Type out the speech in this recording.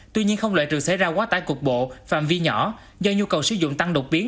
tuy nhiên không loại trừ xảy ra quá tải cục bộ phạm vi nhỏ do nhu cầu sử dụng tăng đột biến